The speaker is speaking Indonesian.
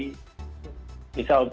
sebisa mungkin dalam satu hari